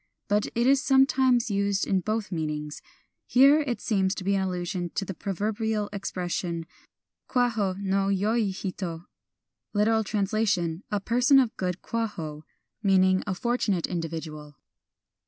But it is sometimes used in both meanings. Here there seems to be an allusion to the pro verbial expression, Kwaho no yoi hito (lit. : a person of good Kwaho), meaning a fortunate individual.